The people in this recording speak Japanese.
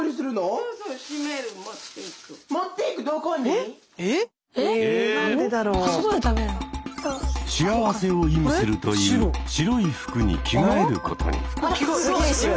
・持って行くどこに⁉幸せを意味するという白い服に着替えることに。